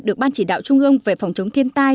được ban chỉ đạo trung ương về phòng chống thiên tai